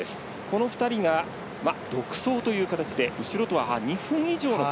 この２人が独走という形で後ろとは２分以上の差。